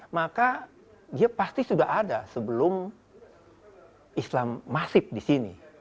maka dia pasti sudah ada sebelum islam masif di sini